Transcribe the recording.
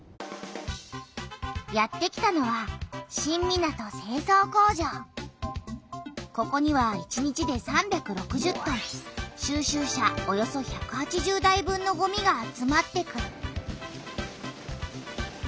やってきたのはここには１日で３６０トン収集車およそ１８０台分のごみが集まってくる。